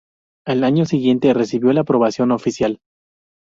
Al año siguiente recibió la aprobación oficial.